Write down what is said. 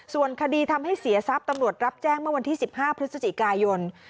ส่วนคดีทำให้เสียทรัพย์ตำรวจรับแจ้งเมื่อวันที่๑๕พฤศจิกายน